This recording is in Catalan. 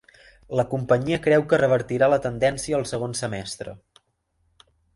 La companyia creu que revertirà la tendència el segon semestre